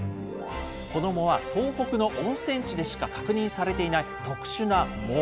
この藻は東北の温泉地でしか確認されていない特殊な藻。